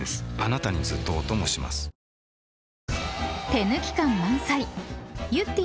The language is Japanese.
［手抜き感満載］